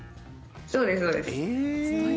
そうです、そうです。